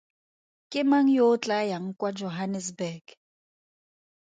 Ke mang yo o tlaa yang kwa Johannesburg?